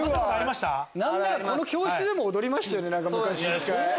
何ならこの教室でも踊りましたよね昔。